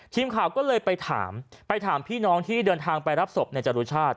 ทีมข่าวก็เลยไปถามไปถามพี่น้องที่เดินทางไปรับศพในจรุชาติ